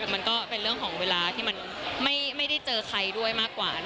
มันก็เป็นเรื่องของเวลาที่มันไม่ได้เจอใครด้วยมากกว่า